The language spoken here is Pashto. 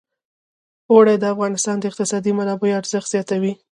اوړي د افغانستان د اقتصادي منابعو ارزښت زیاتوي.